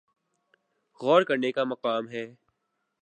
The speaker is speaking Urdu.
غور کرنے کا مقام ہے۔